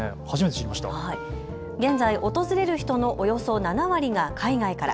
現在、訪れる人のおよそ７割が海外から。